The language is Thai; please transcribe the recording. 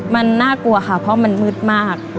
มันน่ากลัวค่ะเพราะมันมืดมาก